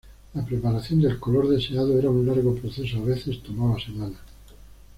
La preparación del color deseado era un largo proceso, a veces tomaba semanas.